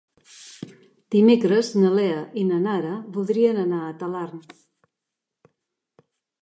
Dimecres na Lea i na Nara voldrien anar a Talarn.